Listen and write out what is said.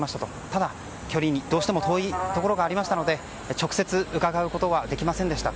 ただ、距離がどうしても遠いところがありましたので直接、伺うことはできませんでした。